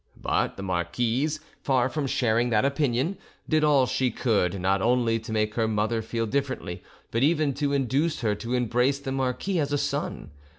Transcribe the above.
But the marquise, far from sharing that opinion, did all she could, not only to make her mother feel differently, but even to induce her to embrace the marquis as a son.